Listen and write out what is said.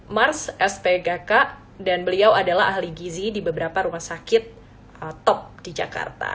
mars spgk dan beliau adalah ahli gizi di beberapa rumah sakit top di jakarta